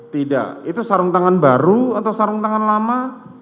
tidak itu sarung tangan baru atau sarung tangan lama